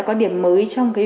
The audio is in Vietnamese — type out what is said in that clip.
có tỷ lệ thương tật